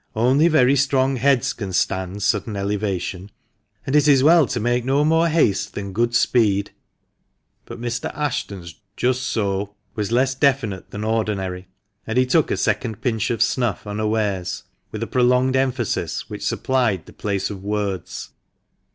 Only very strong heads can stand sudden elevation; and it is well to make no more haste than good speed." But Mr. Ashton's " Just so " was less definite than ordinary, and he took a second pinch of snuff unawares, with a prolonged emphasis, which supplied the place of words.